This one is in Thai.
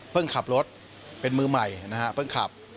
เพิ่งขับรถเป็นมือใหม่นะครับเพิ่งขับ